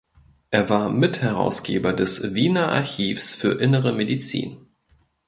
Er war Mitherausgeber des "Wiener Archivs für Innere Medizin".